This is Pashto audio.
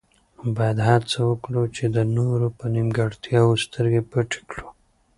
باید هڅه وکړو چې د نورو په نیمګړتیاوو سترګې پټې کړو.